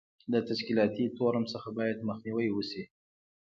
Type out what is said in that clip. له تشکیلاتي تورم څخه باید مخنیوی وشي.